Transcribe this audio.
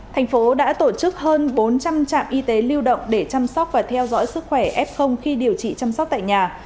thành phố đã tổ chức hơn bốn trăm linh trạm y tế lưu động để chăm sóc và theo dõi sức khỏe f khi điều trị chăm sóc tại nhà